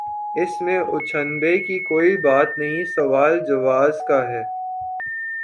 اس میں اچنبھے کی کوئی بات نہیں سوال جواز کا ہے۔